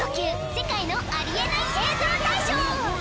世界のありえない映像大賞」。